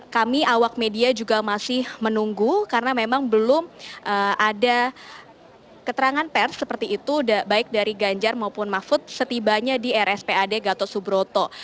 kami awak media juga masih menunggu karena memang belum ada keterangan pers seperti itu baik dari ganjar maupun mahfud setibanya di rspad gatot subroto